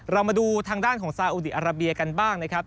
เรามาดูทางด้านของซาวดีอาราเบียกันบ้าง